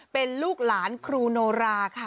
เป็นลูกหลานครูโนราค่ะ